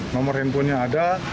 nomor handphonenya ada